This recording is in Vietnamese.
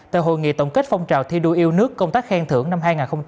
tại hội nghị tổng kết phong trào thi đua yêu nước công tác khen thưởng năm hai nghìn hai mươi